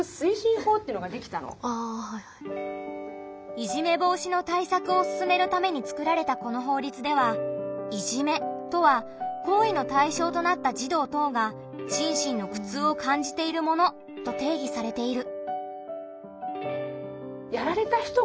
いじめ防止の対策を進めるために作られたこの法律では「いじめ」とは行為の対象となった児童等が心身の苦痛を感じているものと定義されている。